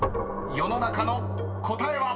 ［世の中の答えは⁉］